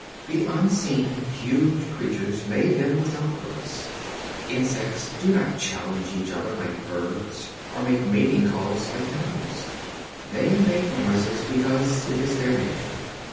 The unseen huge creatures made them without purpose. Insects do not challenge each other like birds or make mating calls like animals. They make noises because it is their nature.